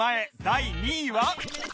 第２位は